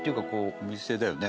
お店だよね。